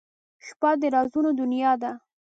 • شپه د رازونو دنیا ده.